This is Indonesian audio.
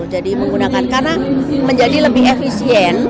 jadi menggunakan karena menjadi lebih efisien